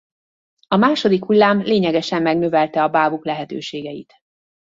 A második hullám lényegesen megnövelte a bábuk lehetőségeit.